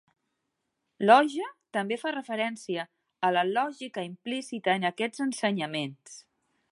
"Logia" també fa referència a la lògica implícita en aquests ensenyaments.